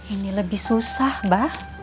ini lebih susah bah